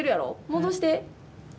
戻して。